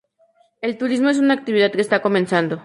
El turismo es una actividad que está comenzando.